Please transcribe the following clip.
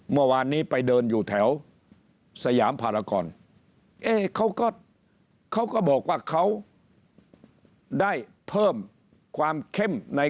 เมื่อวานนี้ไปเดินอยู่แถวสยามภารกรเขาก็เขาก็บอกว่าเขาได้เพิ่มความเข้มใน